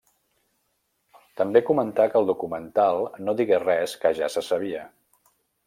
També comentà que el documental no digué res que ja se sabia.